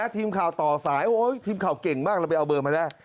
ทีมข่าวต่อสายทีมข่าวเก่งมากเราไปเอาเบอร์มาได้